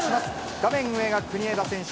画面上が国枝選手。